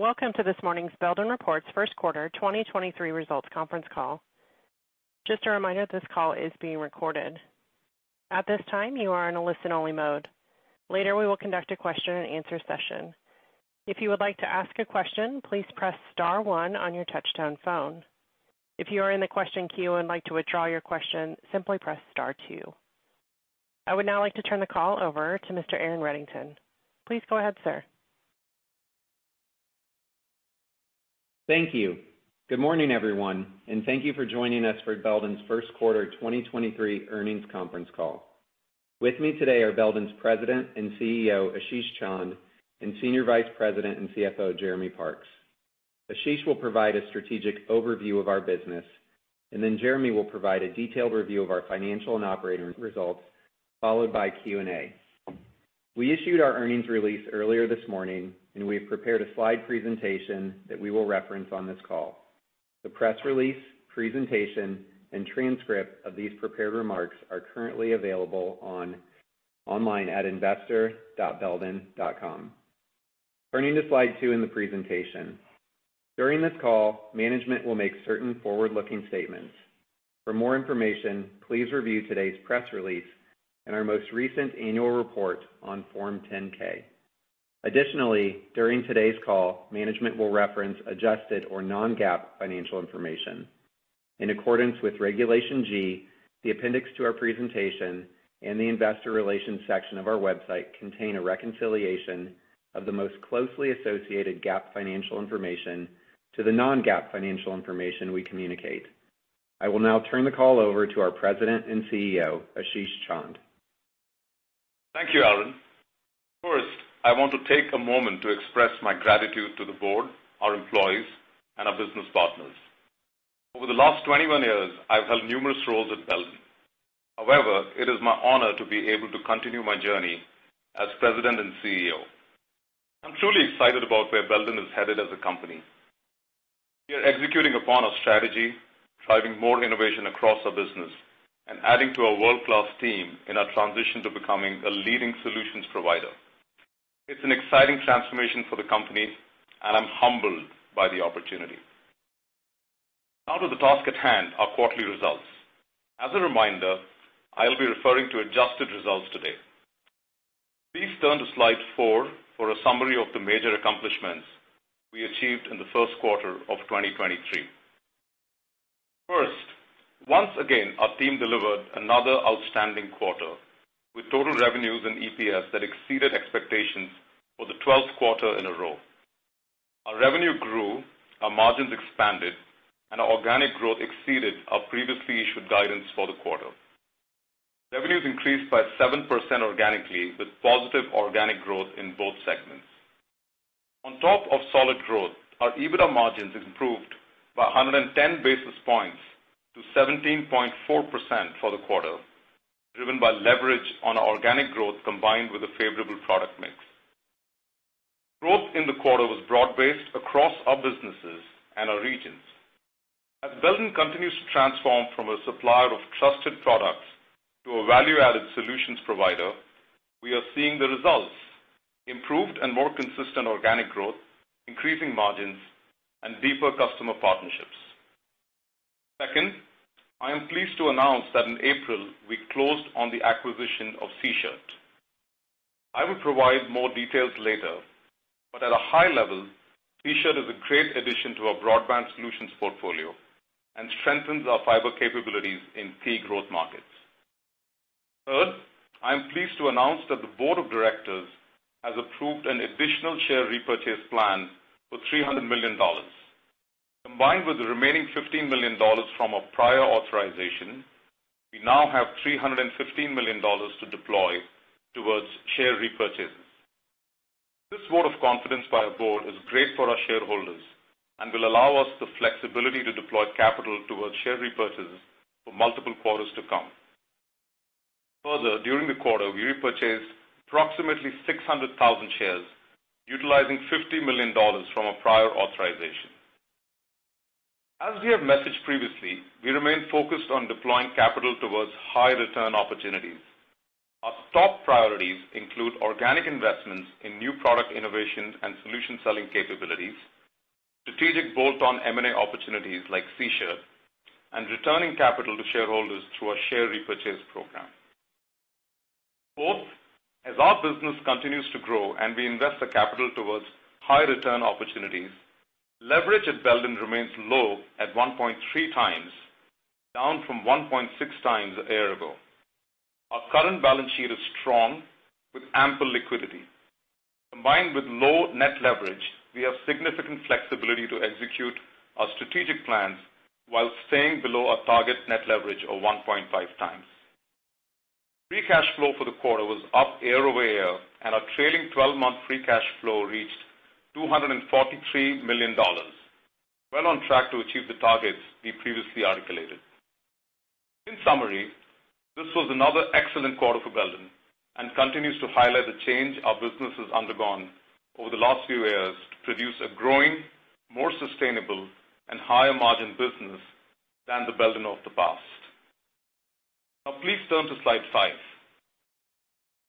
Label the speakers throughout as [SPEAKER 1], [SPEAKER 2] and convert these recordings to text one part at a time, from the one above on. [SPEAKER 1] Welcome to this morning's Belden Reports first quarter 2023 results conference call. Just a reminder, this call is being recorded. At this time, you are in a listen-only mode. Later, we will conduct a question-and-answer session. If you would like to ask a question, please press Star one on your touchtone phone. If you are in the question queue and like to withdraw your question, simply press Star two. I would now like to turn the call over to Mr. Aaron Reddington. Please go ahead, sir.
[SPEAKER 2] Thank you. Good morning, everyone, thank you for joining us for Belden's first quarter 2023 earnings conference call. With me today are Belden's President and CEO, Ashish Chand, and Senior Vice President and CFO, Jeremy Parks. Ashish will provide a strategic overview of our business, and then Jeremy will provide a detailed review of our financial and operating results, followed by Q&A. We issued our earnings release earlier this morning, and we have prepared a slide presentation that we will reference on this call. The press release, presentation, and transcript of these prepared remarks are currently available online at investor.belden.com. Turning to slide two in the presentation. During this call, management will make certain forward-looking statements. For more information, please review today's press release and our most recent annual report on Form 10-K. Additionally, during today's call, management will reference adjusted or non-GAAP financial information. In accordance with Regulation G, the appendix to our presentation and the investor relations section of our website contain a reconciliation of the most closely associated GAAP financial information to the non-GAAP financial information we communicate. I will now turn the call over to our President and CEO, Ashish Chand.
[SPEAKER 3] Thank you, Aaron. First, I want to take a moment to express my gratitude to the board, our employees, and our business partners. Over the last 21 years, I've held numerous roles at Belden. However, it is my honor to be able to continue my journey as President and CEO. I'm truly excited about where Belden is headed as a company. We are executing upon our strategy, driving more innovation across our business, and adding to our world-class team in our transition to becoming a leading solutions provider. It's an exciting transformation for the company, and I'm humbled by the opportunity. Now to the task at hand, our quarterly results. As a reminder, I'll be referring to adjusted results today. Please turn to slide four for a summary of the major accomplishments we achieved in the first quarter of 2023. Once again, our team delivered another outstanding quarter with total revenues and EPS that exceeded expectations for the 12th quarter in a row. Our revenue grew, our margins expanded, our organic growth exceeded our previously issued guidance for the quarter. Revenues increased by 7% organically, with positive organic growth in both segments. On top of solid growth, our EBITDA margins improved by 110 basis points to 17.4% for the quarter, driven by leverage on organic growth combined with a favorable product mix. Growth in the quarter was broad-based across our businesses and our regions. As Belden continues to transform from a supplier of trusted products to a value-added solutions provider, we are seeing the results: improved and more consistent organic growth, increasing margins, and deeper customer partnerships. Second, I am pleased to announce that in April, we closed on the acquisition of Sichert. I will provide more details later, at a high level, Sichert is a great addition to our broadband solutions portfolio and strengthens our fiber capabilities in key growth markets. Third, I am pleased to announce that the board of directors has approved an additional share repurchase plan for $300 million. Combined with the remaining $15 million from a prior authorization, we now have $315 million to deploy towards share repurchase. This vote of confidence by our board is great for our shareholders and will allow us the flexibility to deploy capital towards share repurchases for multiple quarters to come. During the quarter, we repurchased approximately 600,000 shares, utilizing $50 million from a prior authorization. As we have messaged previously, we remain focused on deploying capital towards high-return opportunities. Our top priorities include organic investments in new product innovations and solution selling capabilities, strategic bolt-on M&A opportunities like Sichert, and returning capital to shareholders through our share repurchase program. As our business continues to grow and we invest the capital towards high-return opportunities, leverage at Belden remains low at 1.3x, down from 1.6x a year ago. Our current balance sheet is strong with ample liquidity. Combined with low net leverage, we have significant flexibility to execute our strategic plans while staying below our target net leverage of 1.5x. Free Cash Flow for the quarter was up year-over-year, and our trailing 12-month Free Cash Flow reached $243 million. Well on track to achieve the targets we previously articulated. In summary, this was another excellent quarter for Belden and continues to highlight the change our business has undergone over the last few years to produce a growing, more sustainable, and higher-margin business than the Belden of the past. Please turn to slide five.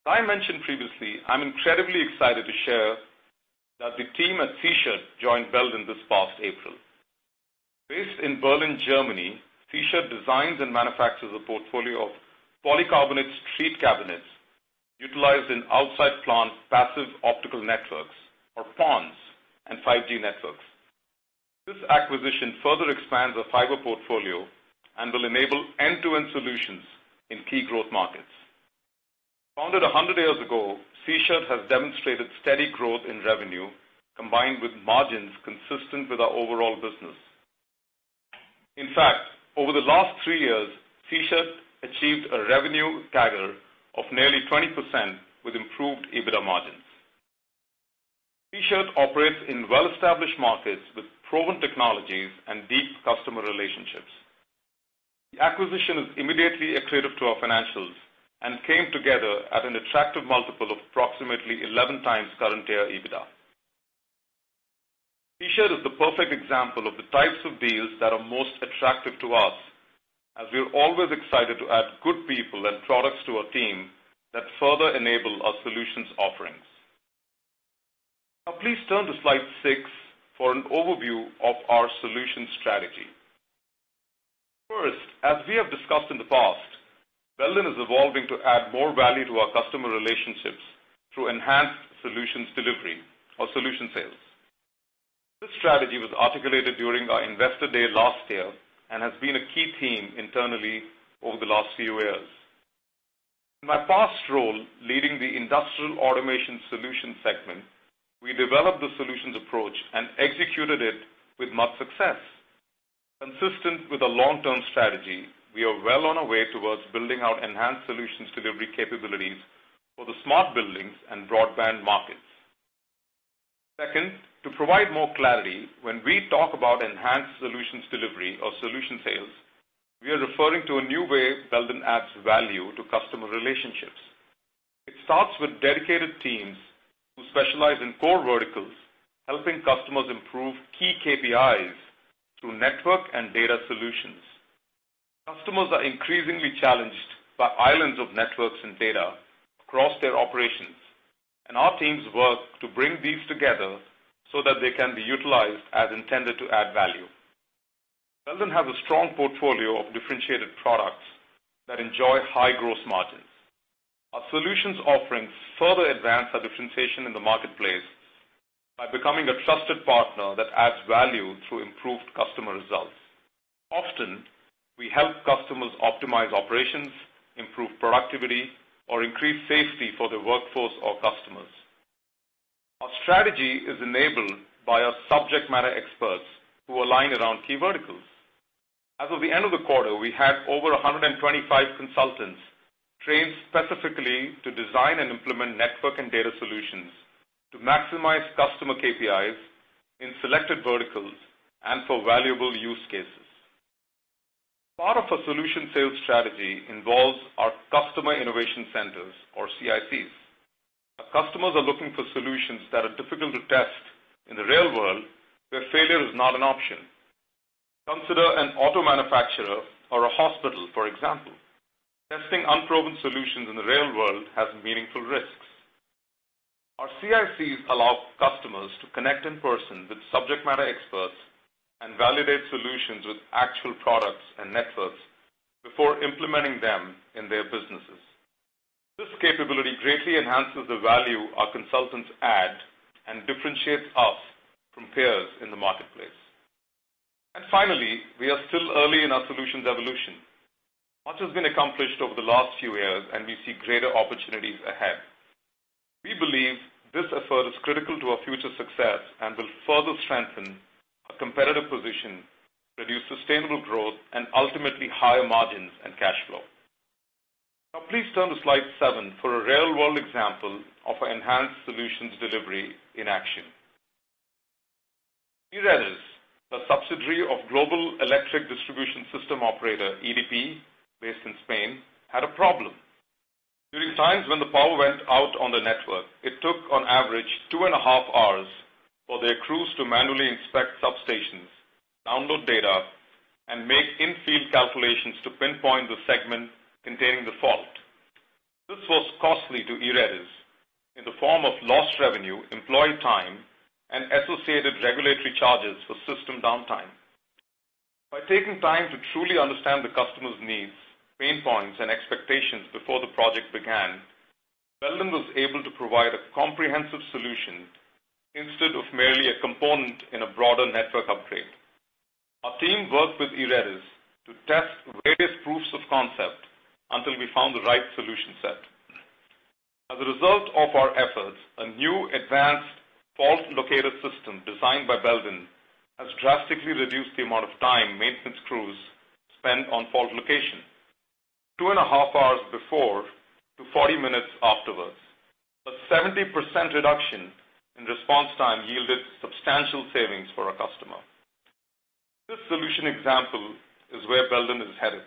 [SPEAKER 3] As I mentioned previously, I'm incredibly excited to share that the team at Sichert joined Belden this past April. Based in Berlin, Germany, Sichert designs and manufactures a portfolio of polycarbonate street cabinets utilized in outside plant passive optical networks or PONs and 5G networks. This acquisition further expands our fiber portfolio and will enable end-to-end solutions in key growth markets. Founded 100 years ago, Sichert has demonstrated steady growth in revenue, combined with margins consistent with our overall business. In fact, over the last three years, Sichert achieved a revenue CAGR of nearly 20% with improved EBITDA margins. Sichert operates in well-established markets with proven technologies and deep customer relationships. The acquisition is immediately accretive to our financials and came together at an attractive multiple of approximately 11x current year EBITDA. Sichert is the perfect example of the types of deals that are most attractive to us as we are always excited to add good people and products to our team that further enable our solutions offerings. Please turn to slide six for an overview of our solutions strategy. First, as we have discussed in the past, Belden is evolving to add more value to our customer relationships through enhanced solutions delivery or solution sales. This strategy was articulated during our investor day last year and has been a key theme internally over the last few years. In my past role, leading the industrial automation solutions segment, we developed the solutions approach and executed it with much success. Consistent with a long-term strategy, we are well on our way towards building out enhanced solutions delivery capabilities for the smart buildings and broadband markets. Second, to provide more clarity, when we talk about enhanced solutions delivery or solution sales, we are referring to a new way Belden adds value to customer relationships. It starts with dedicated teams who specialize in core verticals, helping customers improve key KPIs through network and data solutions. Customers are increasingly challenged by islands of networks and data across their operations, and our teams work to bring these together so that they can be utilized as intended to add value. Belden has a strong portfolio of differentiated products that enjoy high gross margins. Our solutions offerings further advance our differentiation in the marketplace by becoming a trusted partner that adds value through improved customer results. Often, we help customers optimize operations, improve productivity, or increase safety for their workforce or customers. Our strategy is enabled by our subject matter experts who align around key verticals. As of the end of the quarter, we had over 125 consultants trained specifically to design and implement network and data solutions to maximize customer KPIs in selected verticals and for valuable use cases. Part of a solution sales strategy involves our Customer Innovation Centers or CICs. Our customers are looking for solutions that are difficult to test in the real world, where failure is not an option. Consider an auto manufacturer or a hospital, for example. Testing unproven solutions in the real world has meaningful risks. Our CICs allow customers to connect in person with subject matter experts and validate solutions with actual products and networks before implementing them in their businesses. This capability greatly enhances the value our consultants add and differentiates us from peers in the marketplace. Finally, we are still early in our solutions evolution. Much has been accomplished over the last few years, and we see greater opportunities ahead. We believe this effort is critical to our future success and will further strengthen our competitive position, produce sustainable growth, and ultimately higher margins and cash flow. Please turn to slide seven for a real-world example of our enhanced solutions delivery in action. E-REDES, a subsidiary of global electric distribution system operator EDP, based in Spain, had a problem. During times when the power went out on the network, it took on average 2.5 hours for their crews to manually inspect substations, download data, and make in-field calculations to pinpoint the segment containing the fault. This was costly to E-REDES in the form of lost revenue, employee time, and associated regulatory charges for system downtime. By taking time to truly understand the customer's needs, pain points, and expectations before the project began, Belden was able to provide a comprehensive solution instead of merely a component in a broader network upgrade. Our team worked with E-REDES to test various proofs of concept until we found the right solution set. As a result of our efforts, a new advanced fault locator system designed by Belden has drastically reduced the amount of time maintenance crews spend on fault location. 2.5 hours before to 40 minutes afterwards. A 70% reduction in response time yielded substantial savings for our customer. This solution example is where Belden is headed.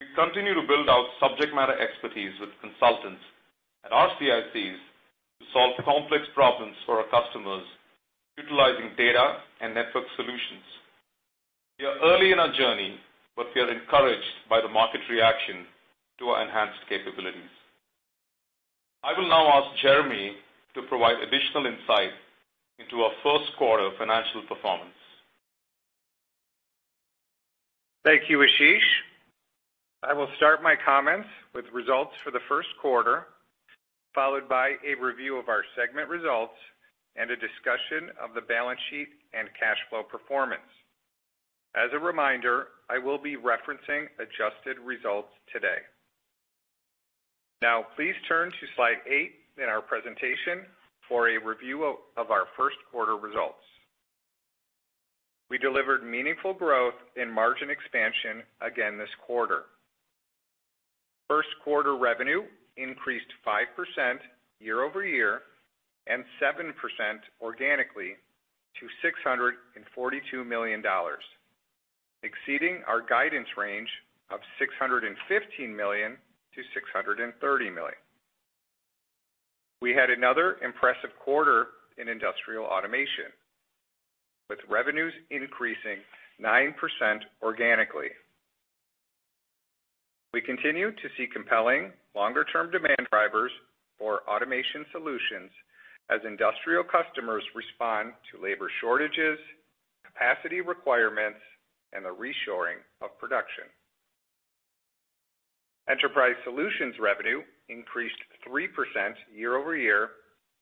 [SPEAKER 3] We continue to build our subject matter expertise with consultants at our CICs to solve complex problems for our customers, utilizing data and network solutions. We are early in our journey, but we are encouraged by the market reaction to our enhanced capabilities. I will now ask Jeremy to provide additional insight into our first quarter financial performance.
[SPEAKER 4] Thank you, Ashish. I will start my comments with results for the first quarter, followed by a review of our segment results and a discussion of the balance sheet and cash flow performance. As a reminder, I will be referencing adjusted results today. Please turn to slide eight in our presentation for a review of our first quarter results. We delivered meaningful growth in margin expansion again this quarter. First quarter revenue increased 5% year-over-year and 7% organically to $642 million, exceeding our guidance range of $615 million-$630 million. We had another impressive quarter in industrial automation, with revenues increasing 9% organically. We continue to see compelling longer-term demand drivers for automation solutions as industrial customers respond to labor shortages, capacity requirements, and the reshoring of production. Enterprise solutions revenue increased 3% year-over-year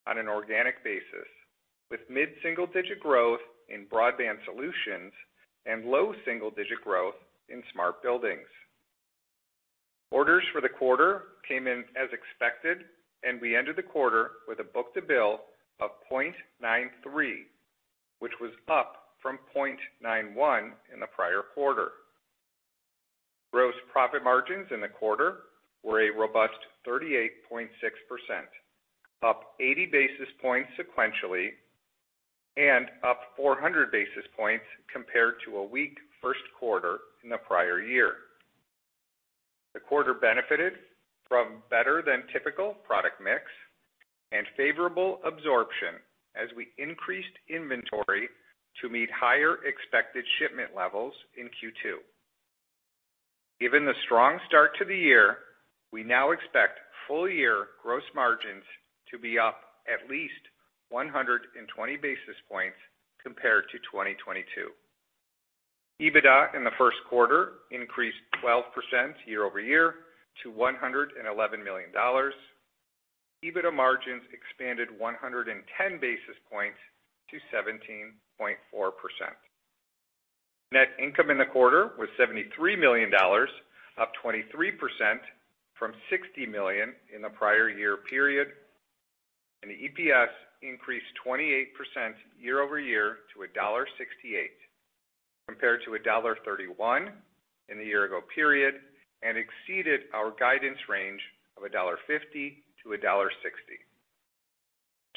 [SPEAKER 4] on an organic basis, with mid-single-digit growth in broadband solutions and low single-digit growth in smart buildings. Orders for the quarter came in as expected. We ended the quarter with a book-to-bill of 0.93, which was up from 0.91 in the prior quarter. Gross profit margins in the quarter were a robust 38.6%, up 80 basis points sequentially and up 400 basis points compared to a weak first quarter in the prior year. The quarter benefited from better than typical product mix and favorable absorption as we increased inventory to meet higher expected shipment levels in Q2. Given the strong start to the year, we now expect full-year gross margins to be up at least 120 basis points compared to 2022. EBITDA in the first quarter increased 12% year-over-year to $111 million. EBITDA margins expanded 110 basis points to 17.4%. Net income in the quarter was $73 million, up 23% from $60 million in the prior year period. EPS increased 28% year-over-year to $1.68, compared to $1.31 in the year ago period, and exceeded our guidance range of $1.50-$1.60.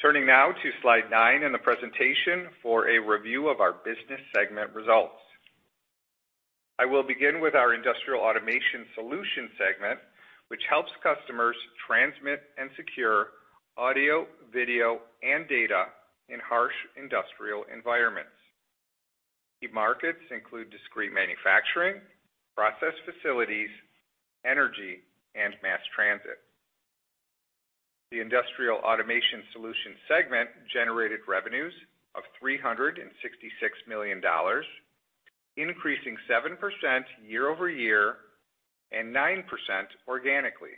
[SPEAKER 4] Turning now to slide nine in the presentation for a review of our business segment results. I will begin with our industrial automation solutions segment, which helps customers transmit and secure audio, video, and data in harsh industrial environments. Key markets include discrete manufacturing, process facilities, energy, and mass transit. The industrial automation solutions segment generated revenues of $366 million, increasing 7% year-over-year, 9% organically.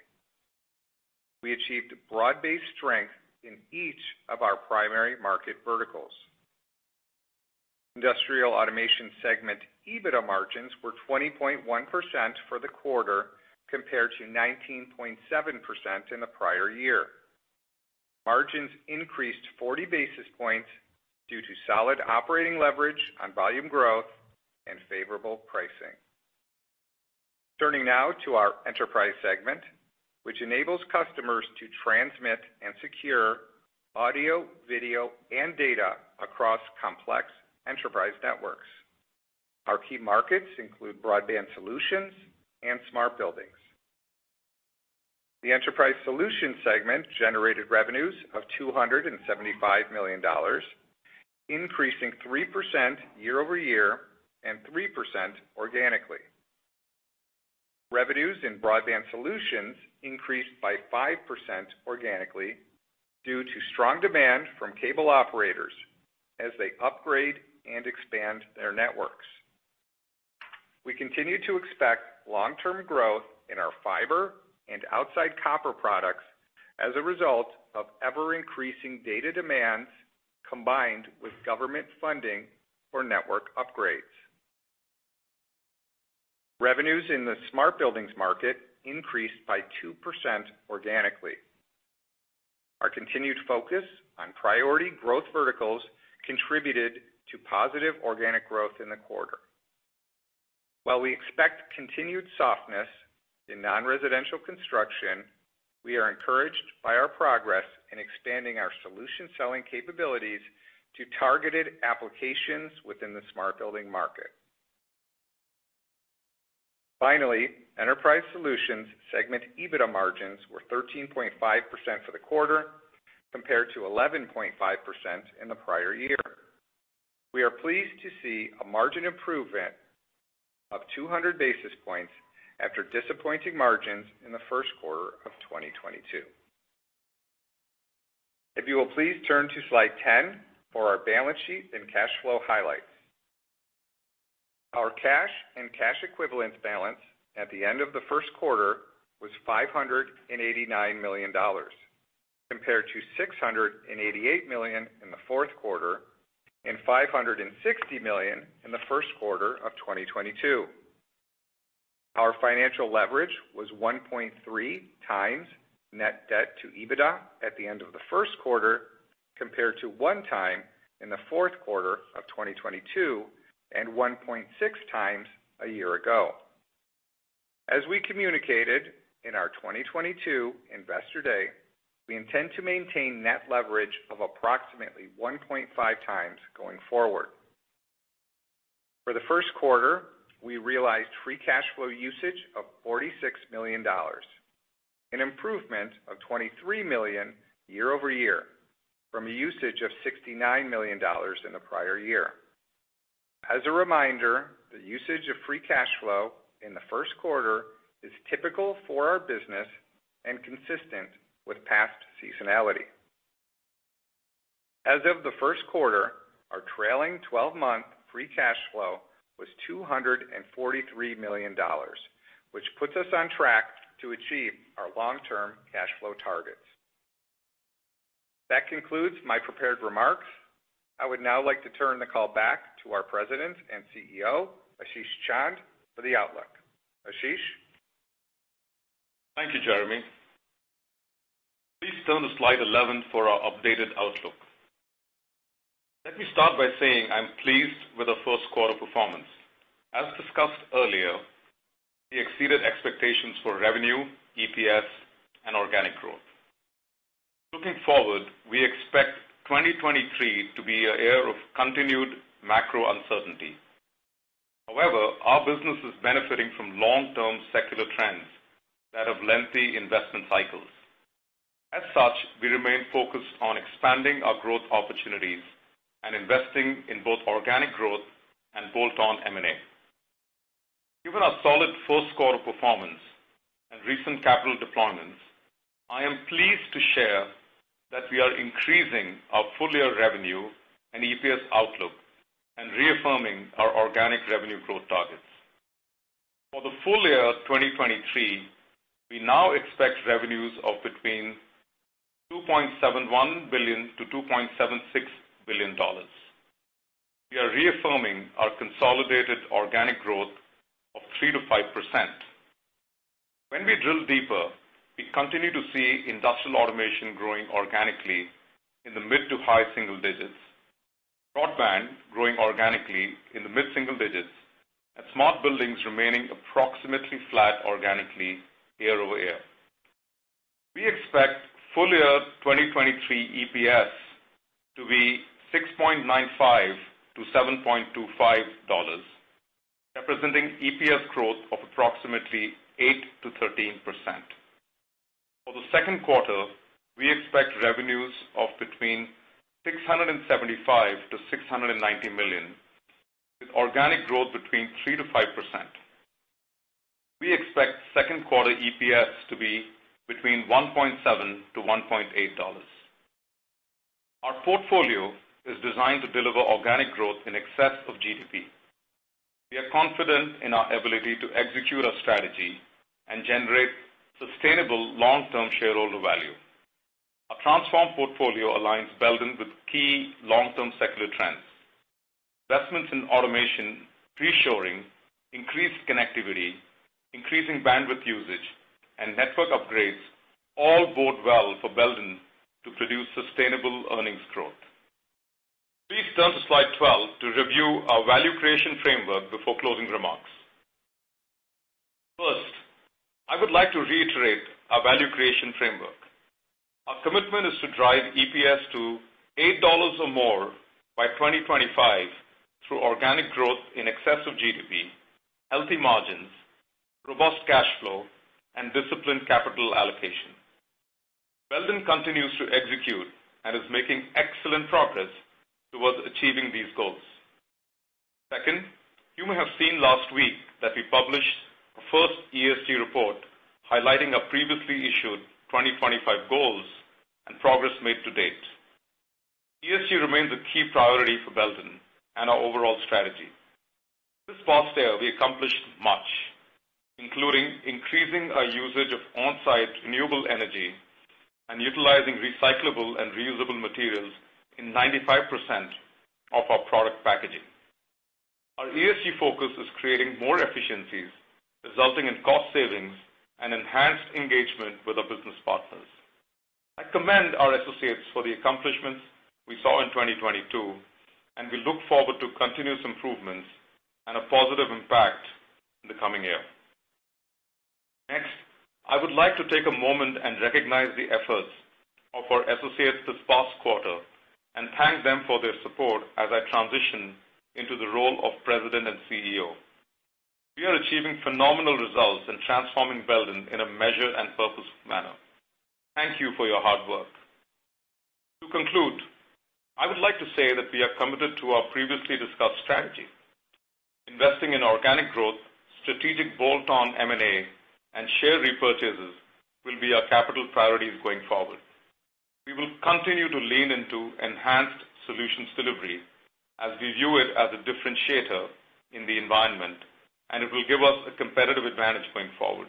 [SPEAKER 4] We achieved broad-based strength in each of our primary market verticals. Industrial automation segment EBITDA margins were 20.1% for the quarter, compared to 19.7% in the prior year. Margins increased 40 basis points due to solid operating leverage on volume growth and favorable pricing. Turning now to our enterprise segment, which enables customers to transmit and secure audio, video, and data across complex enterprise networks. Our key markets include broadband solutions and smart buildings. The enterprise solutions segment generated revenues of $275 million, increasing 3% year-over-year, 3% organically. Revenues in broadband solutions increased by 5% organically due to strong demand from cable operators as they upgrade and expand their networks. We continue to expect long-term growth in our fiber and outside copper products as a result of ever-increasing data demands combined with government funding for network upgrades. Revenues in the smart buildings market increased by 2% organically. Our continued focus on priority growth verticals contributed to positive organic growth in the quarter. While we expect continued softness in non-residential construction, we are encouraged by our progress in expanding our solution selling capabilities to targeted applications within the smart building market. Finally, Enterprise Solutions segment EBITDA margins were 13.5% for the quarter compared to 11.5% in the prior year. We are pleased to see a margin improvement of 200 basis points after disappointing margins in the first quarter of 2022. If you will please turn to slide 10 for our balance sheet and cash flow highlights. Our cash and cash equivalents balance at the end of the first quarter was $589 million, compared to $688 million in the fourth quarter and $560 million in the first quarter of 2022. Our financial leverage was 1.3x net debt to EBITDA at the end of the first quarter, compared to 1x in the fourth quarter of 2022 and 1.6x a year ago. As we communicated in our 2022 Investor Day, we intend to maintain net leverage of approximately 1.5x going forward. For the first quarter, we realized Free Cash Flow usage of $46 million, an improvement of $23 million year-over-year from a usage of $69 million in the prior year. As a reminder, the usage of Free Cash Flow in the first quarter is typical for our business and consistent with past seasonality. As of the first quarter, our trailing twelve-month free cash flow was $243 million, which puts us on track to achieve our long-term cash flow targets. That concludes my prepared remarks. I would now like to turn the call back to our President and CEO, Ashish Chand, for the outlook. Ashish?
[SPEAKER 3] Thank you, Jeremy. Please turn to slide 11 for our updated outlook. Let me start by saying I'm pleased with the first quarter performance. As discussed earlier, we exceeded expectations for revenue, EPS, and organic growth. Looking forward, we expect 2023 to be a year of continued macro uncertainty. However, our business is benefiting from long-term secular trends that have lengthy investment cycles. As such, we remain focused on expanding our growth opportunities and investing in both organic growth and bolt-on M&A. Given our solid first quarter performance and recent capital deployments, I am pleased to share that we are increasing our full-year revenue and EPS outlook and reaffirming our organic revenue growth targets. For the full year of 2023, we now expect revenues of between $2.71 billion-$2.76 billion. We are reaffirming our consolidated organic growth of 3%-5%. We continue to see industrial automation growing organically in the mid-to-high single digits, broadband growing organically in the mid-single digits, and smart buildings remaining approximately flat organically year-over-year. We expect full year 2023 EPS to be $6.95-$7.25, representing EPS growth of approximately 8%-13%. For the second quarter, we expect revenues of between $675 million-$690 million, with organic growth between 3%-5%. We expect second quarter EPS to be between $1.7-$1.8. Our portfolio is designed to deliver organic growth in excess of GDP. We are confident in our ability to execute our strategy and generate sustainable long-term shareholder value. Our transformed portfolio aligns Belden with key long-term secular trends. Investments in automation, reshoring, increased connectivity, increasing bandwidth usage, and network upgrades all bode well for Belden to produce sustainable earnings growth. Please turn to slide 12 to review our value creation framework before closing remarks. I would like to reiterate our value creation framework. Our commitment is to drive EPS to $8 or more by 2025 through organic growth in excess of GDP, healthy margins, robust cash flow, and disciplined capital allocation. Belden continues to execute and is making excellent progress towards achieving these goals. You may have seen last week that we published our first ESG report highlighting our previously issued 2025 goals and progress made to date. ESG remains a key priority for Belden and our overall strategy. This past year, we accomplished much, including increasing our usage of on-site renewable energy and utilizing recyclable and reusable materials in 95% of our product packaging. Our ESG focus is creating more efficiencies, resulting in cost savings and enhanced engagement with our business partners. I commend our associates for the accomplishments we saw in 2022, and we look forward to continuous improvements and a positive impact in the coming year. Next, I would like to take a moment and recognize the efforts of our associates this past quarter and thank them for their support as I transition into the role of president and CEO. We are achieving phenomenal results in transforming Belden in a measured and purposeful manner. Thank you for your hard work. To conclude, I would like to say that we are committed to our previously discussed strategy. Investing in organic growth, strategic bolt-on M&A, and share repurchases will be our capital priorities going forward. We will continue to lean into enhanced solutions delivery as we view it as a differentiator in the environment. It will give us a competitive advantage going forward.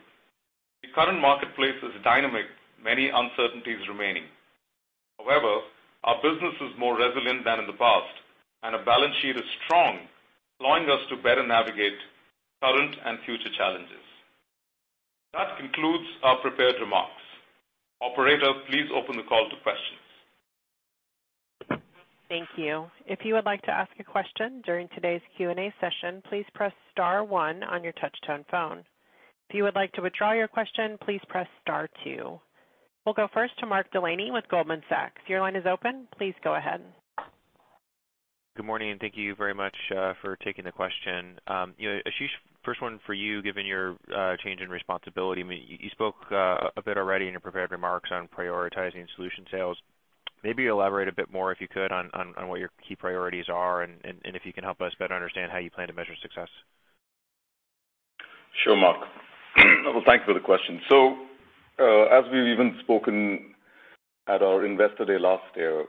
[SPEAKER 3] The current marketplace is dynamic, many uncertainties remaining. However, our business is more resilient than in the past, and our balance sheet is strong, allowing us to better navigate current and future challenges. That concludes our prepared remarks. Operator, please open the call to questions.
[SPEAKER 1] Thank you. If you would like to ask a question during today's Q&A session, please press Star one on your touch-tone phone. If you would like to withdraw your question, please press Star two. We'll go first to Mark Delaney with Goldman Sachs. Your line is open. Please go ahead.
[SPEAKER 5] Good morning. Thank you very much for taking the question. You know, Ashish, first one for you, given your change in responsibility. I mean, you spoke a bit already in your prepared remarks on prioritizing solution sales. Maybe elaborate a bit more, if you could, on what your key priorities are and if you can help us better understand how you plan to measure success.
[SPEAKER 3] Sure, Mark. Well, thanks for the question. As we've even spoken at our investor day last year,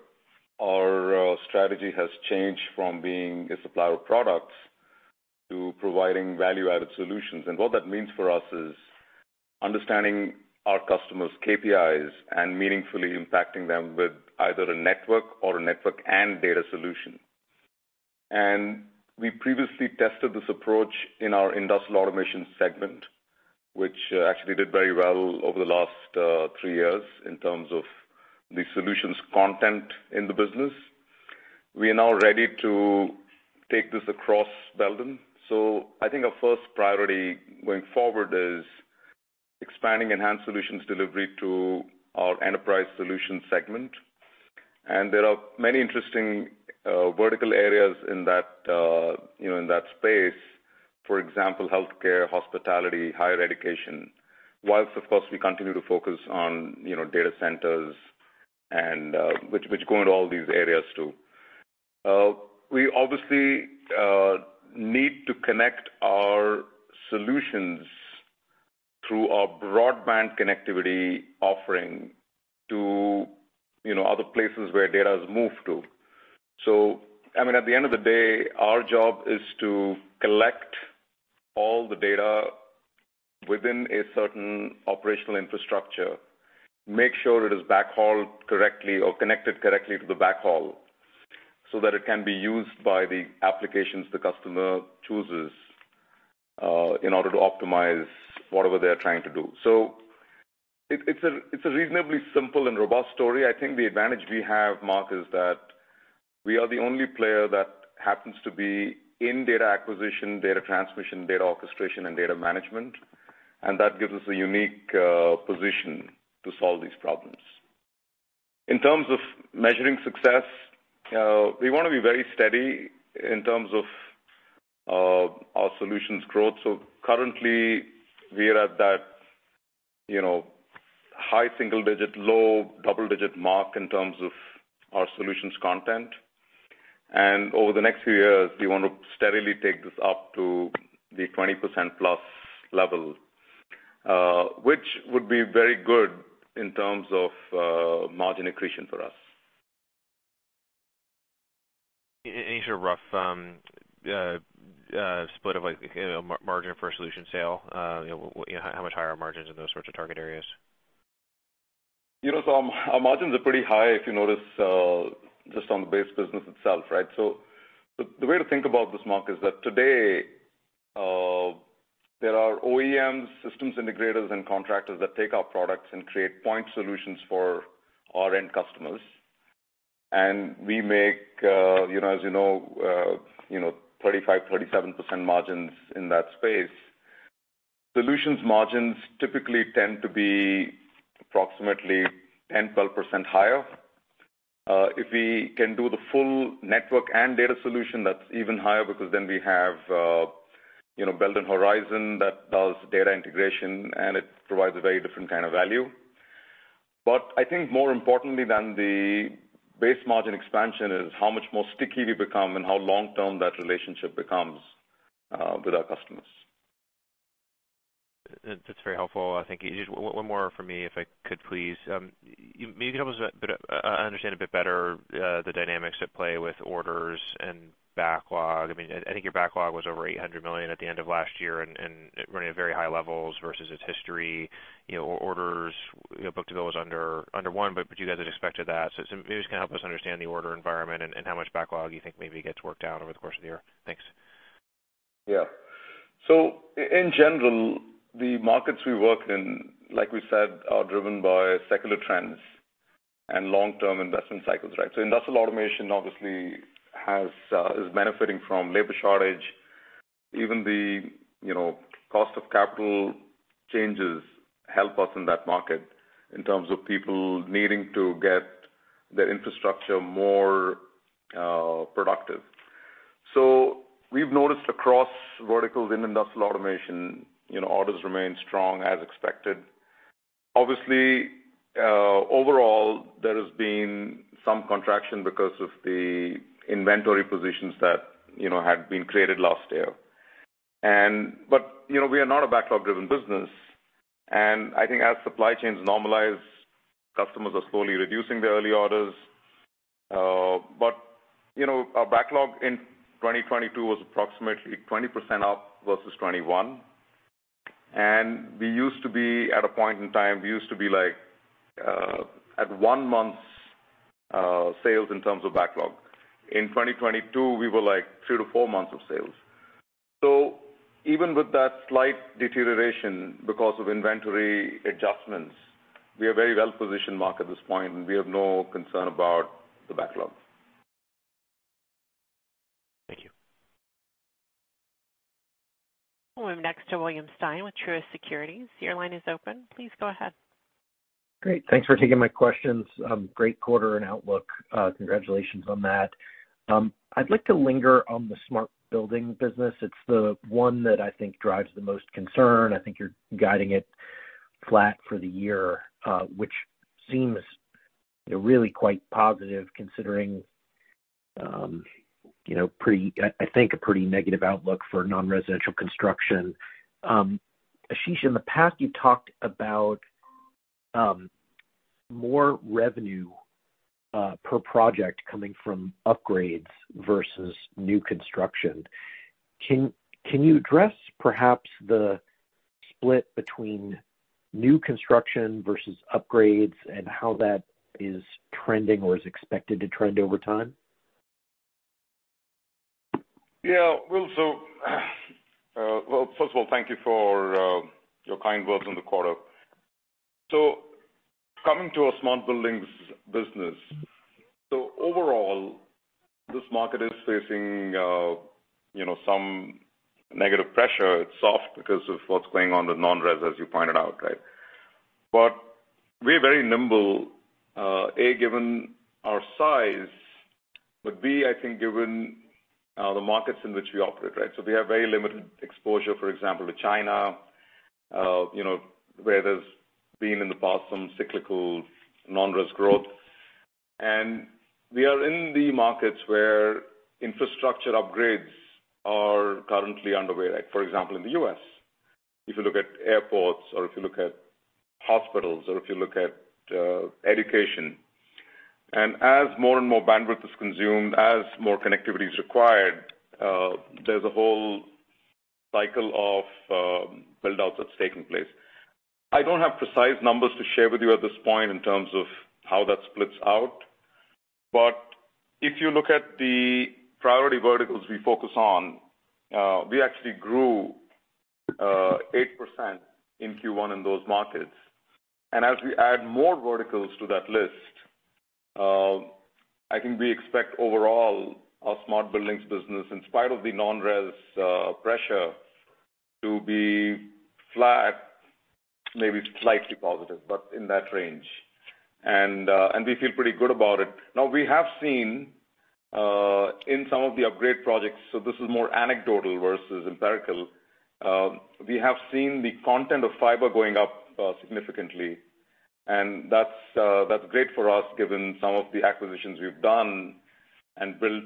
[SPEAKER 3] our strategy has changed from being a supplier of products to providing value-added solutions. What that means for us is understanding our customers' KPIs and meaningfully impacting them with either a network or a network and data solution. We previously tested this approach in our industrial automation segment, which actually did very well over the last three years in terms of the solutions content in the business. We are now ready to take this across Belden. I think our first priority going forward is expanding enhanced solutions delivery to our enterprise solution segment. There are many interesting vertical areas in that, you know, in that space, for example, healthcare, hospitality, higher education, whilst of course, we continue to focus on, you know, data centers and which go into all these areas too. We obviously need to connect our solutions through our broadband connectivity offering to, you know, other places where data is moved to. I mean, at the end of the day, our job is to collect all the data within a certain operational infrastructure, make sure it is backhauled correctly or connected correctly to the backhaul so that it can be used by the applications the customer chooses, in order to optimize whatever they're trying to do. It's a reasonably simple and robust story. I think the advantage we have, Mark, is that we are the only player that happens to be in data acquisition, data transmission, data orchestration, and data management, and that gives us a unique position to solve these problems. In terms of measuring success, we wanna be very steady in terms of our solutions growth. Currently, we are at that, you know, high single digit, low double-digit mark in terms of our solutions content. Over the next few years, we want to steadily take this up to the 20%+ level, which would be very good in terms of margin accretion for us.
[SPEAKER 5] Any sort of rough, split of like, you know, margin for a solution sale? You know, how much higher are margins in those sorts of target areas?
[SPEAKER 3] You know, our margins are pretty high if you notice, just on the base business itself, right? The, the way to think about this, Mark, is that today, there are OEMs, systems integrators, and contractors that take our products and create point solutions for our end customers. We make, you know, as you know, you know, 35%-37% margins in that space. Solutions margins typically tend to be approximately 10%-12% higher. If we can do the full network and data solution, that's even higher because then we have, you know, Belden Horizon that does data integration, and it provides a very different kind of value. I think more importantly than the base margin expansion is how much more sticky we become and how long-term that relationship becomes, with our customers.
[SPEAKER 5] That's very helpful. I think just one more from me, if I could please. Maybe you can help us a bit understand a bit better the dynamics at play with orders and backlog. I mean, I think your backlog was over $800 million at the end of last year and running at very high levels versus its history. You know, orders, you know, book-to-bill was under one, but you guys had expected that. Maybe just kinda help us understand the order environment and how much backlog you think maybe gets worked out over the course of the year. Thanks.
[SPEAKER 3] Yeah. In general, the markets we work in, like we said, are driven by secular trends and long-term investment cycles, right? Industrial automation obviously has is benefiting from labor shortage. Even the, you know, cost of capital changes help us in that market in terms of people needing to get their infrastructure more productive. We've noticed across verticals in industrial automation, you know, orders remain strong as expected. Obviously, overall, there has been some contraction because of the inventory positions that, you know, had been created last year. We are not a backlog-driven business and I think as supply chains normalize, customers are slowly reducing their early orders. Our backlog in 2022 was approximately 20% up versus 2021. We used to be at a point in time, we used to be like, at 1 month's sales in terms of backlog. In 2022, we were like three-four months of sales. Even with that slight deterioration because of inventory adjustments, we are very well positioned, Mark, at this point, and we have no concern about the backlog.
[SPEAKER 5] Thank you.
[SPEAKER 1] We'll move next to William Stein with Truist Securities. Your line is open. Please go ahead.
[SPEAKER 6] Great. Thanks for taking my questions. Great quarter and outlook. Congratulations on that. I'd like to linger on the smart building business. It's the one that I think drives the most concern. I think you're guiding it flat for the year, which seems, you know, really quite positive considering, you know, I think a pretty negative outlook for non-residential construction. Ashish, in the past, you talked about more revenue per project coming from upgrades versus new construction. Can you address perhaps the split between new construction versus upgrades and how that is trending or is expected to trend over time?
[SPEAKER 3] Yeah, Will, well, first of all, thank you for your kind words on the quarter. Coming to our smart buildings business. Overall, this market is facing, you know, some negative pressure. It's soft because of what's going on with non-res, as you pointed out, right? We're very nimble, A, given our size, but B, I think given the markets in which we operate, right? We are in the markets where infrastructure upgrades are currently underway, like for example, in the U.S., if you look at airports or if you look at hospitals or if you look at education. As more and more bandwidth is consumed, as more connectivity is required, there's a whole cycle of build-outs that's taking place. I don't have precise numbers to share with you at this point in terms of how that splits out. If you look at the priority verticals we focus on, we actually grew 8% in Q1 in those markets. As we add more verticals to that list, I think we expect overall our smart buildings business, in spite of the non-res pressure, to be flat, maybe slightly positive, but in that range. We feel pretty good about it. We have seen in some of the upgrade projects, so this is more anecdotal versus empirical, we have seen the content of fiber going up significantly, and that's great for us given some of the acquisitions we've done and built,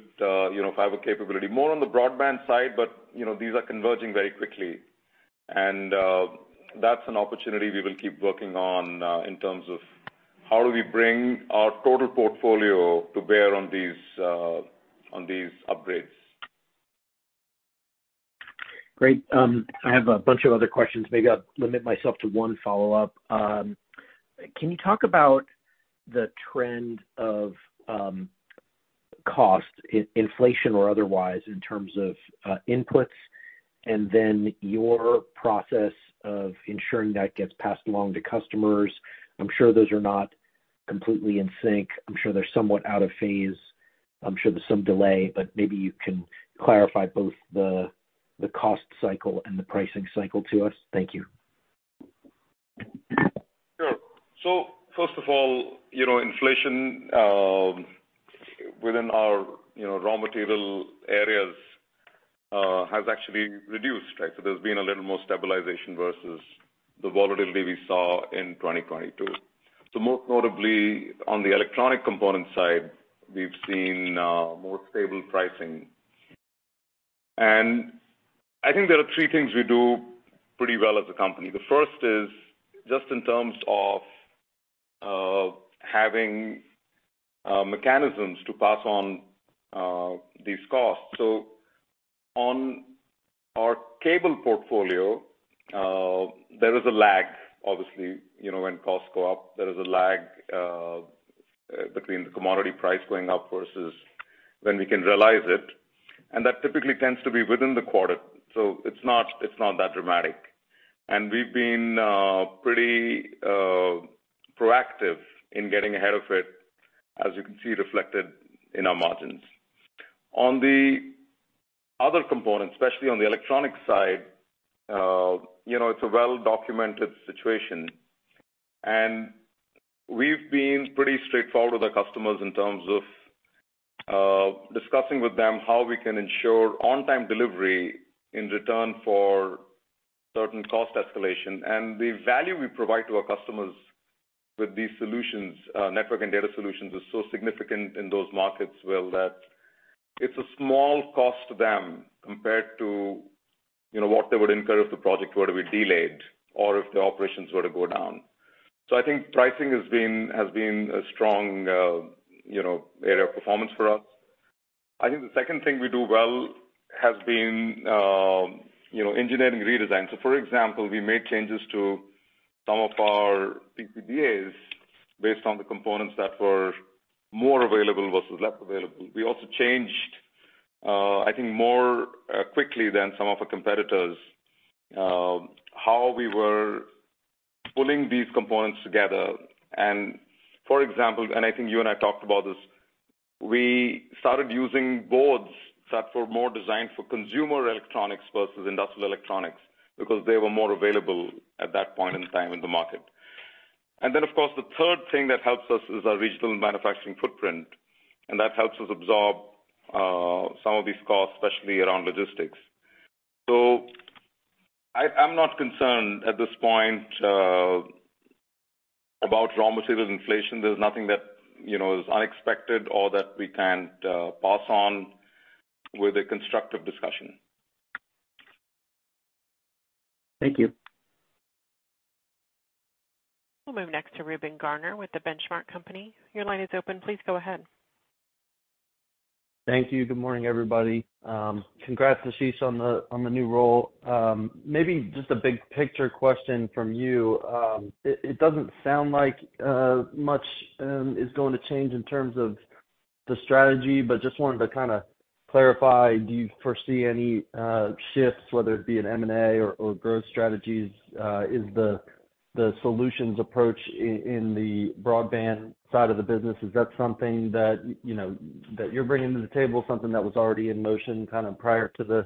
[SPEAKER 3] you know, fiber capability more on the broadband side, but, you know, these are converging very quickly. That's an opportunity we will keep working on in terms of how do we bring our total portfolio to bear on these on these upgrades.
[SPEAKER 6] Great. I have a bunch of other questions. Maybe I'll limit myself to one follow-up. Can you talk about the trend of cost in inflation or otherwise in terms of inputs, and then your process of ensuring that gets passed along to customers? I'm sure those are not completely in sync. I'm sure they're somewhat out of phase. I'm sure there's some delay, but maybe you can clarify both the cost cycle and the pricing cycle to us. Thank you.
[SPEAKER 3] Sure. First of all, you know, inflation, within our, you know, raw material areas, has actually reduced, right? There's been a little more stabilization versus the volatility we saw in 2022. Most notably on the electronic component side, we've seen more stable pricing. I think there are three things we do pretty well as a company. The first is just in terms of having mechanisms to pass on these costs. On our cable portfolio, there is a lag, obviously, you know, when costs go up, there is a lag, between the commodity price going up versus when we can realize it, and that typically tends to be within the quarter. It's not, it's not that dramatic. And we've been pretty proactive in getting ahead of it, as you can see reflected in our margins. On the other components, especially on the electronic side, you know, it's a well-documented situation, and we've been pretty straightforward with our customers in terms of discussing with them how we can ensure on-time delivery in return for certain cost escalation. The value we provide to our customers with these solutions, network and data solutions, is so significant in those markets, Will, that it's a small cost to them compared to, you know, what they would incur if the project were to be delayed or if the operations were to go down. I think pricing has been a strong, you know, area of performance for us. I think the second thing we do well has been, you know, engineering redesign. For example, we made changes to some of our PCBAs based on the components that were more available versus less available. We also changed, I think more quickly than some of our competitors, how we were pulling these components together. For example, and I think you and I talked about this, we started using boards that were more designed for consumer electronics versus industrial electronics because they were more available at that point in time in the market. Of course, the third thing that helps us is our regional manufacturing footprint, and that helps us absorb some of these costs, especially around logistics. I'm not concerned at this point about raw materials inflation. There's nothing that, you know, is unexpected or that we can't pass on with a constructive discussion.
[SPEAKER 6] Thank you.
[SPEAKER 1] We'll move next to Reuben Garner with The Benchmark Company. Your line is open. Please go ahead.
[SPEAKER 7] Thank you. Good morning, everybody. Congrats, Ashish, on the new role. Maybe just a big picture question from you. It, it doesn't sound like much is going to change in terms of the strategy, but just wanted to kinda clarify, do you foresee any shifts, whether it be in M&A or growth strategies? Is the solutions approach in the broadband side of the business, is that something that, you know, that you're bringing to the table, something that was already in motion kinda prior to the,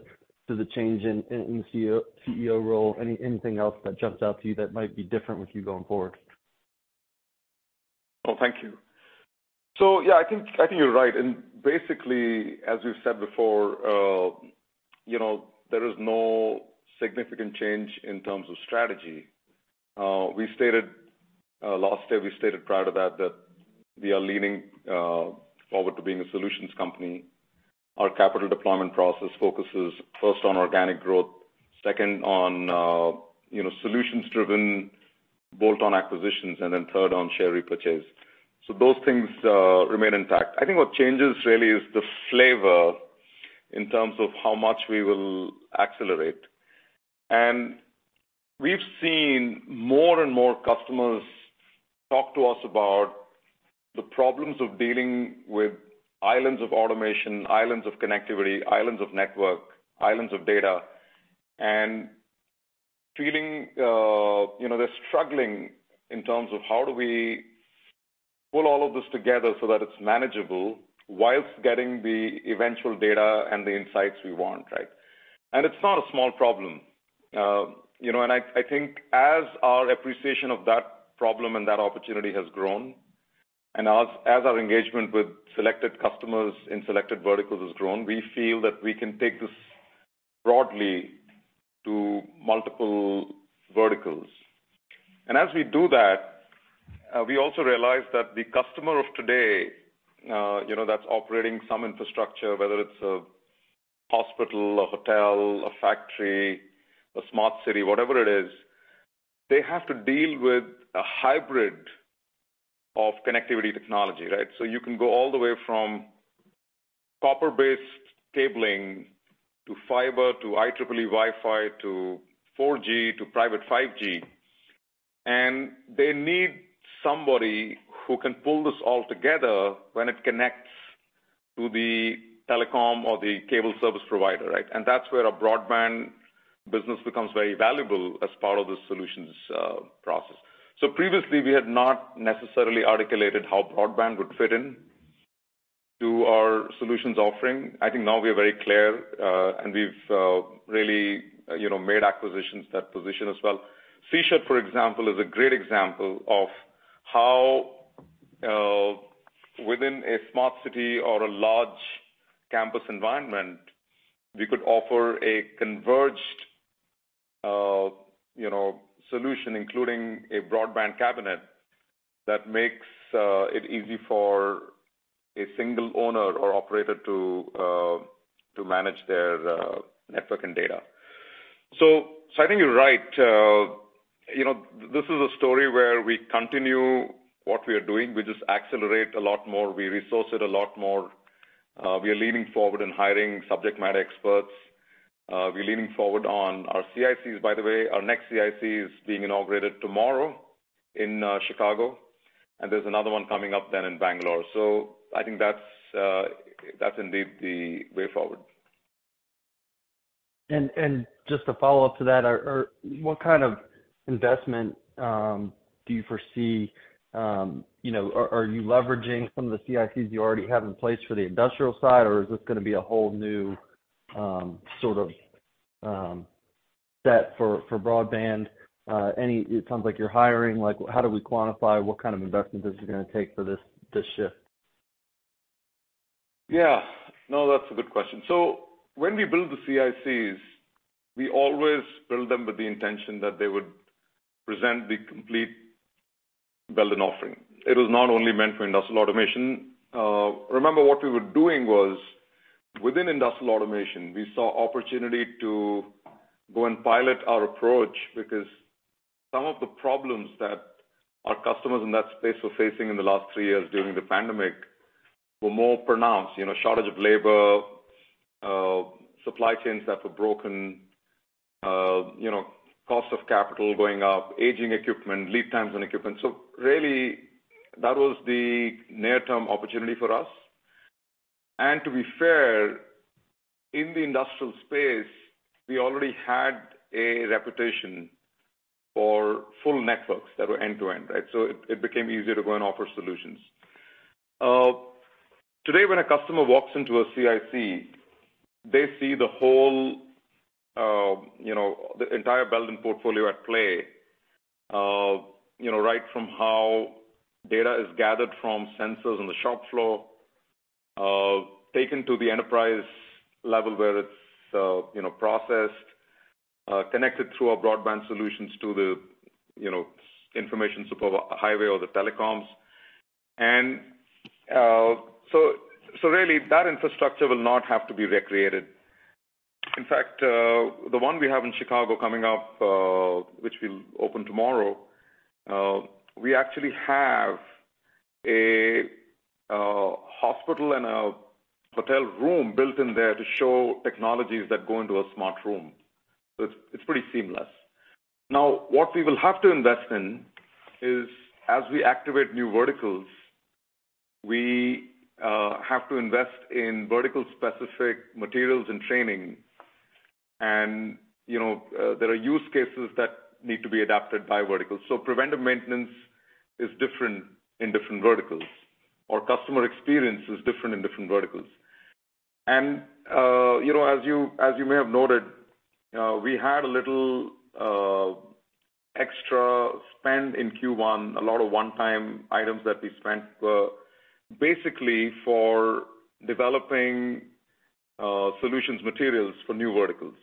[SPEAKER 7] to the change in CEO role? Anything else that jumps out to you that might be different with you going forward?
[SPEAKER 3] Oh, thank you. Yeah, I think, I think you're right. Basically, as we've said before, you know, there is no significant change in terms of strategy. We stated last year, we stated prior to that we are leaning forward to being a solutions company. Our capital deployment process focuses first on organic growth, second on, you know, solutions-driven bolt-on acquisitions, and then third on share repurchase. Those things remain intact. I think what changes really is the flavor in terms of how much we will accelerate. We've seen more and more customers talk to us about the problems of dealing with islands of automation, islands of connectivity, islands of network, islands of data, and feeling, you know, they're struggling in terms of how do we pull all of this together so that it's manageable whilst getting the eventual data and the insights we want, right? It's not a small problem. You know, I think as our appreciation of that problem and that opportunity has grown, and as our engagement with selected customers in selected verticals has grown, we feel that we can take this broadly to multiple verticals. As we do that, we also realize that the customer of today, you know, that's operating some infrastructure, whether it's a hospital, a hotel, a factory, a smart city, whatever it is, they have to deal with a hybrid of connectivity technology, right? You can go all the way from copper-based cabling to fiber, to IEEE Wi-Fi, to 4G, to private 5G, and they need somebody who can pull this all together when it connects to the telecom or the cable service provider, right? That's where our broadband business becomes very valuable as part of the solutions process. Previously we had not necessarily articulated how broadband would fit in to our solutions offering. I think now we are very clear, and we've really, you know, made acquisitions that position as well. Sichert, for example, is a great example of how, within a smart city or a large campus environment, we could offer a converged, you know, solution, including a broadband cabinet that makes it easy for a single owner or operator to manage their network and data. I think you're right. You know, this is a story where we continue what we are doing. We just accelerate a lot more. We resource it a lot more. We are leaning forward in hiring subject matter experts. We're leaning forward on our CICs. By the way, our next CIC is being inaugurated tomorrow in Chicago. There's another one coming up then in Bangalore. I think that's indeed the way forward.
[SPEAKER 7] Just a follow-up to that. Or what kind of investment do you foresee, you know? Are you leveraging some of the CICs you already have in place for the industrial side, or is this gonna be a whole new sort of set for broadband? It sounds like you're hiring. Like, how do we quantify what kind of investment this is gonna take for this shift?
[SPEAKER 3] Yeah. No, that's a good question. When we build the CICs, we always build them with the intention that they would present the complete Belden offering. It was not only meant for industrial automation. Remember what we were doing was, within industrial automation, we saw opportunity to go and pilot our approach because some of the problems that our customers in that space were facing in the last three years during the pandemic were more pronounced. You know, shortage of labor, supply chains that were broken, you know, cost of capital going up, aging equipment, lead times on equipment. Really, that was the near-term opportunity for us. To be fair, in the industrial space, we already had a reputation for full networks that were end to end, right? It became easier to go and offer solutions. Today when a customer walks into a CIC, they see the whole, you know, the entire Belden portfolio at play, you know, right from how data is gathered from sensors on the shop floor, taken to the enterprise level where it's, you know, processed, connected through our broadband solutions to the, you know, information super highway or the telecoms. Really that infrastructure will not have to be recreated. In fact, the one we have in Chicago coming up, which will open tomorrow, we actually have a hospital and a hotel room built in there to show technologies that go into a smart room. It's pretty seamless. What we will have to invest in is, as we activate new verticals, we have to invest in vertical-specific materials and training and, you know, there are use cases that need to be adapted by vertical. Preventive maintenance is different in different verticals, or customer experience is different in different verticals. You know, as you may have noted, we had a little extra spend in Q1, a lot of one-time items that we spent were basically for developing solutions materials for new verticals.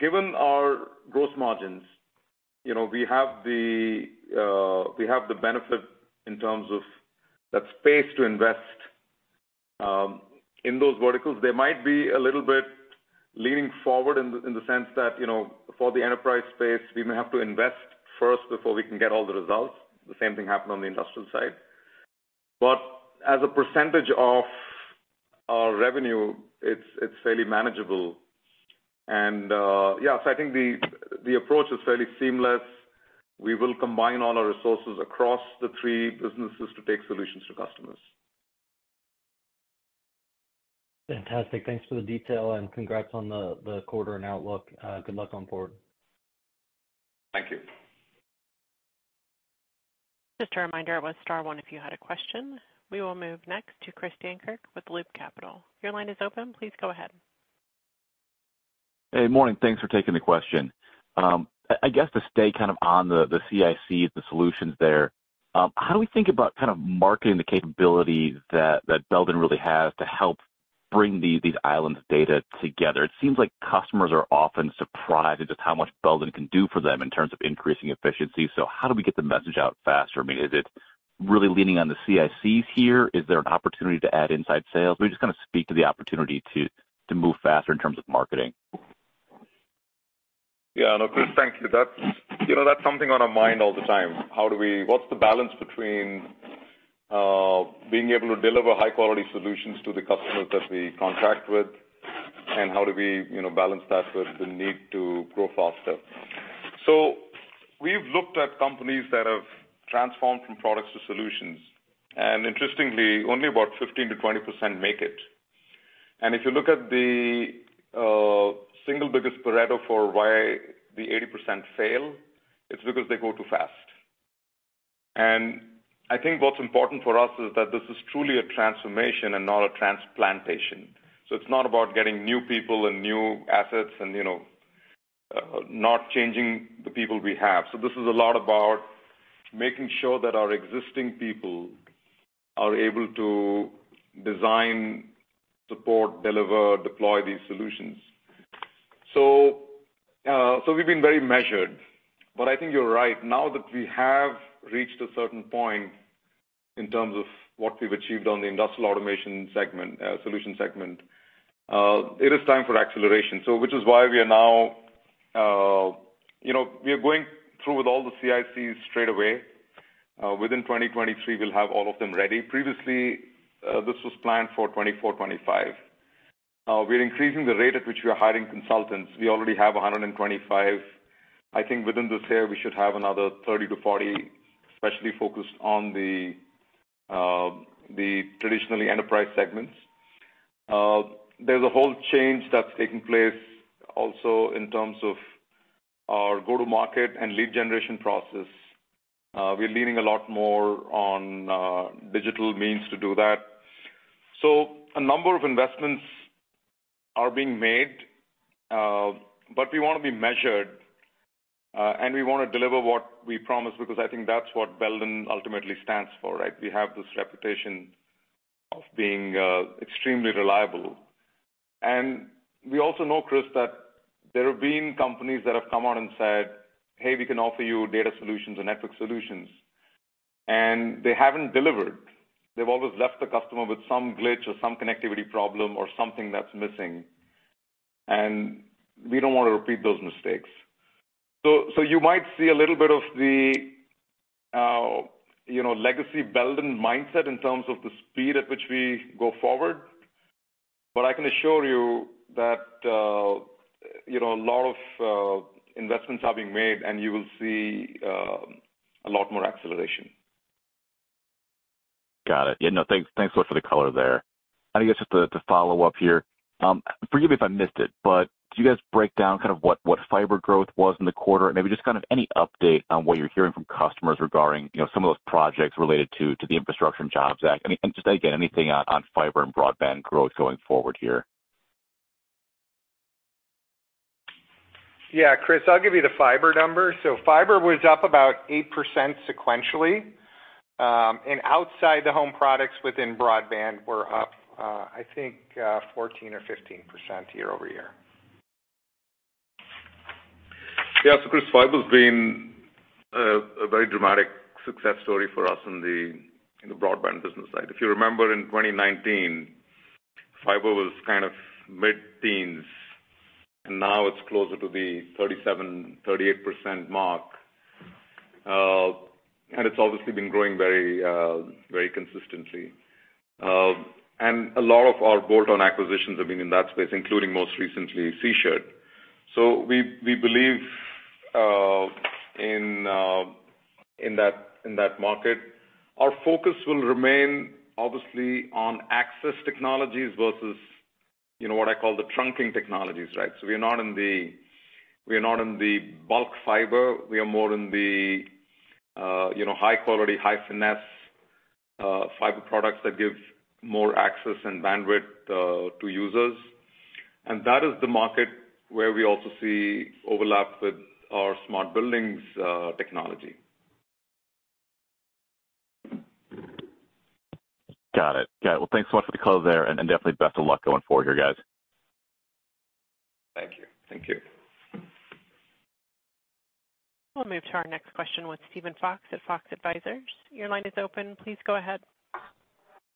[SPEAKER 3] Given our gross margins, you know, we have the benefit in terms of that space to invest in those verticals. They might be a little bit leaning forward in the sense that, you know, for the enterprise space, we may have to invest first before we can get all the results. The same thing happened on the industrial side. As a percentage of our revenue, it's fairly manageable. Yeah, I think the approach is fairly seamless. We will combine all our resources across the three businesses to take solutions to customers.
[SPEAKER 7] Fantastic. Thanks for the detail, and congrats on the quarter and outlook. Good luck on forward.
[SPEAKER 3] Thank you.
[SPEAKER 1] Just a reminder, it was Star one if you had a question. We will move next to Chris Dankert with Loop Capital. Your line is open. Please go ahead.
[SPEAKER 8] Hey, morning. Thanks for taking the question. I guess to stay kind of on the CIC, the solutions there, how do we think about kind of marketing the capabilities that Belden really has to help bring these islands of data together? It seems like customers are often surprised at just how much Belden can do for them in terms of increasing efficiency. How do we get the message out faster? I mean, is it really leaning on the CICs here? Is there an opportunity to add inside sales? Maybe just kinda speak to the opportunity to move faster in terms of marketing.
[SPEAKER 3] Yeah. No, Chris, thank you. That's, you know, that's something on our mind all the time. What's the balance between being able to deliver high-quality solutions to the customers that we contract with, and how do we, you know, balance that with the need to grow faster? We've looked at companies that have transformed from products to solutions, and interestingly, only about 15%-20% make it. If you look at the single biggest Pareto for why the 80% fail, it's because they go too fast. I think what's important for us is that this is truly a transformation and not a transplantation. It's not about getting new people and new assets and, you know, not changing the people we have. This is a lot about making sure that our existing people are able to design, support, deliver, deploy these solutions. We've been very measured. I think you're right. Now that we have reached a certain point in terms of what we've achieved on the industrial automation segment, solution segment, it is time for acceleration. Which is why we are now, you know, we are going through with all the CICs straight away. Within 2023, we'll have all of them ready. Previously, this was planned for 2024, 2025. We're increasing the rate at which we are hiring consultants. We already have 125. I think within this year, we should have another 30-40, especially focused on the traditionally enterprise segments. There's a whole change that's taking place also in terms of our go-to-market and lead generation process. We're leaning a lot more on digital means to do that. A number of investments are being made, but we wanna be measured and we wanna deliver what we promise because I think that's what Belden ultimately stands for, right? We have this reputation of being extremely reliable. We also know, Chris, that there have been companies that have come out and said, "Hey, we can offer you data solutions and network solutions," and they haven't delivered. They've always left the customer with some glitch or some connectivity problem or something that's missing, and we don't wanna repeat those mistakes. You might see a little bit of the, you know, legacy Belden mindset in terms of the speed at which we go forward, but I can assure you that, you know, a lot of investments are being made, and you will see a lot more acceleration.
[SPEAKER 8] Got it. Yeah, no, thanks a lot for the color there. I think it's just the follow-up here. Forgive me if I missed it, but do you guys break down kind of what fiber growth was in the quarter? Maybe just kind of any update on what you're hearing from customers regarding, you know, some of those projects related to the Infrastructure Investment and Jobs Act? Just, again, anything on fiber and broadband growth going forward here?
[SPEAKER 4] Yeah, Chris, I'll give you the fiber number. Fiber was up about 8% sequentially, and outside the home products within broadband were up, I think, 14% or 15% year-over-year.
[SPEAKER 3] Chris, fiber's been a very dramatic success story for us in the broadband business side. If you remember in 2019, fiber was kind of mid-teens, and now it's closer to the 37%-38% mark. It's obviously been growing very consistently. A lot of our bolt-on acquisitions have been in that space, including most recently Sichert. We believe in that market. Our focus will remain obviously on access technologies versus, you know, what I call the trunking technologies, right? We are not in the bulk fiber. We are more in the, you know, high quality, high finesse fiber products that give more access and bandwidth to users. That is the market where we also see overlap with our smart buildings technology.
[SPEAKER 8] Got it. Well, thanks so much for the color there and definitely best of luck going forward here, guys.
[SPEAKER 4] Thank you.
[SPEAKER 3] Thank you.
[SPEAKER 1] We'll move to our next question with Steven Fox at Fox Advisors. Your line is open. Please go ahead.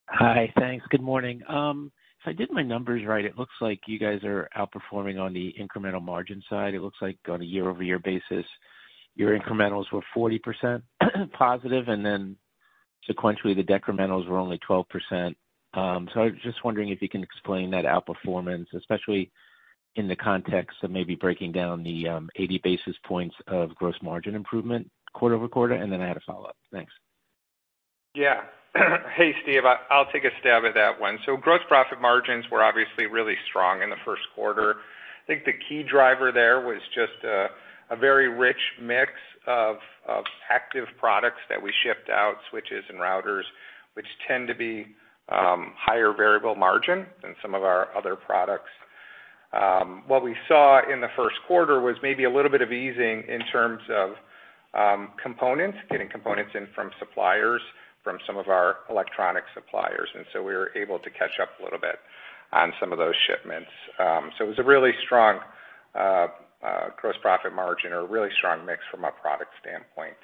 [SPEAKER 9] Hi. Thanks. Good morning. If I did my numbers right, it looks like you guys are outperforming on the incremental margin side. It looks like on a year-over-year basis, your incrementals were 40% positive, and then sequentially, the decrementals were only 12%. I was just wondering if you can explain that outperformance, especially in the context of maybe breaking down the, 80 basis points of gross margin improvement quarter-over-quarter. I had a follow-up. Thanks.
[SPEAKER 4] Yeah. Hey, Steve, I'll take a stab at that one. Gross profit margins were obviously really strong in the first quarter. I think the key driver there was just a very rich mix of active products that we shipped out, switches and routers, which tend to be higher variable margin than some of our other products. What we saw in the first quarter was maybe a little bit of easing in terms of components, getting components in from suppliers, from some of our electronic suppliers, and so we were able to catch up a little bit on some of those shipments. It was a really strong gross profit margin or a really strong mix from a product standpoint.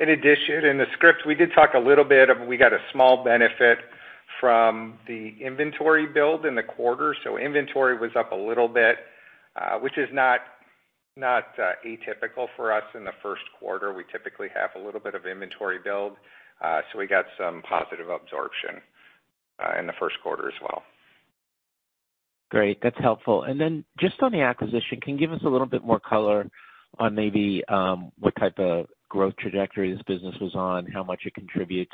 [SPEAKER 4] In addition, in the script, we did talk a little bit of we got a small benefit from the inventory build in the quarter. Inventory was up a little bit, which is not atypical for us in the first quarter. We typically have a little bit of inventory build, so we got some positive absorption, in the first quarter as well.
[SPEAKER 9] Great. That's helpful. Just on the acquisition, can you give us a little bit more color on maybe what type of growth trajectory this business was on, how much it contributes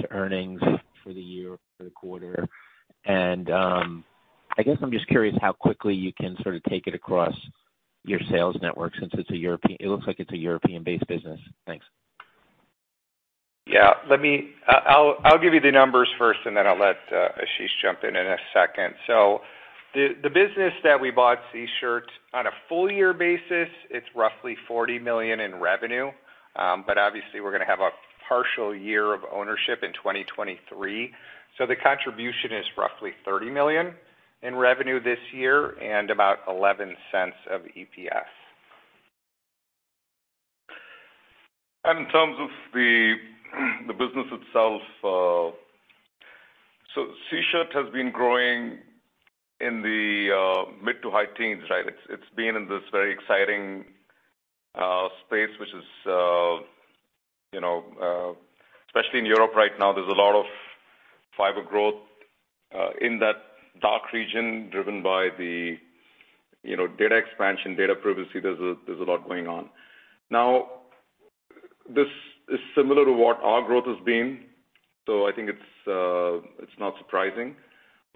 [SPEAKER 9] to earnings for the year or the quarter? I guess I'm just curious how quickly you can sort of take it across your sales network since it looks like it's a European-based business. Thanks.
[SPEAKER 4] Yeah. I'll give you the numbers first, and then I'll let Ashish jump in in a second. The business that we bought, Sichert, on a full year basis, it's roughly $40 million in revenue. Obviously we're gonna have a partial year of ownership in 2023. The contribution is roughly $30 million in revenue this year and about $0.11 of EPS.
[SPEAKER 3] In terms of the business itself, so Sichert has been growing into high teens, right? It's, it's been in this very exciting space which is, you know, especially in Europe right now, there's a lot of fiber growth in that DACH region driven by the, you know, data expansion, data privacy. There's a lot going on. This is similar to what our growth has been. I think it's not surprising.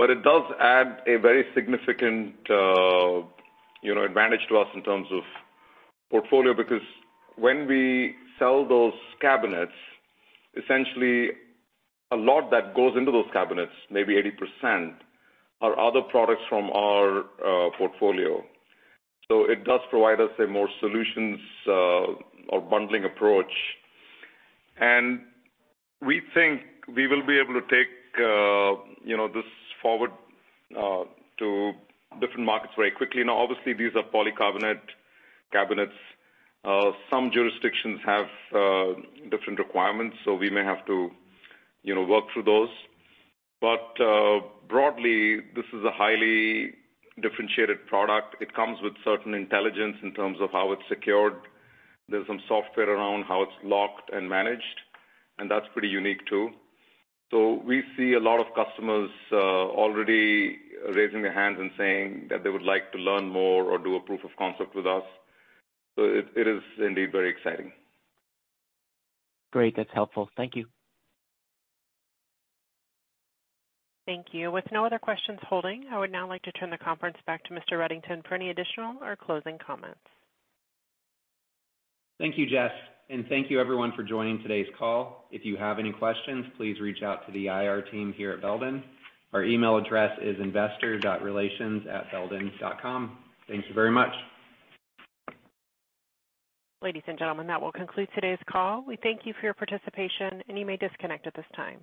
[SPEAKER 3] It does add a very significant, you know, advantage to us in terms of portfolio because when we sell those cabinets, essentially a lot that goes into those cabinets, maybe 80%, are other products from our portfolio. It does provide us a more solutions or bundling approach. We think we will be able to take, you know, this forward to different markets very quickly. Now, obviously, these are polycarbonate cabinets. Some jurisdictions have different requirements, so we may have to, you know, work through those. Broadly, this is a highly differentiated product. It comes with certain intelligence in terms of how it's secured. There's some software around how it's locked and managed, and that's pretty unique too. We see a lot of customers already raising their hands and saying that they would like to learn more or do a proof of concept with us. It, it is indeed very exciting.
[SPEAKER 9] Great. That's helpful. Thank you.
[SPEAKER 1] Thank you. With no other questions holding, I would now like to turn the conference back to Mr. Reddington for any additional or closing comments.
[SPEAKER 2] Thank you, Jess, and thank you everyone for joining today's call. If you have any questions, please reach out to the IR team here at Belden. Our email address is investor.relations@belden.com. Thank you very much.
[SPEAKER 1] Ladies and gentlemen, that will conclude today's call. We thank you for your participation, and you may disconnect at this time.